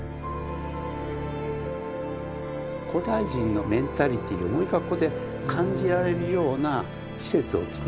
古代人のメンタリティーをもう一回ここで感じられるような施設を作ってみたいな。